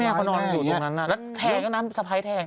แม่เป็นคนดีไหมค่ะแม่มั่นใจไหม